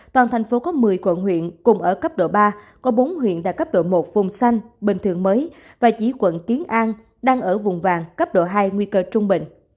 toàn thành phố có một mươi quận huyện cùng ở cấp độ ba có bốn huyện đạt cấp độ một vùng xanh bình thường mới và chỉ quận kiến an đang ở vùng vàng cấp độ hai nguy cơ trung bình